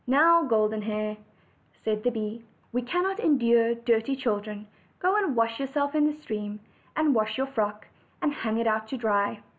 "Now, Golden Hair," said the bee, "we cannot endure dirty children. Go and wash yourself in the stream; and wash your frock, and hang it out to dry."